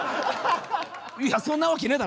いやそんなわけねえ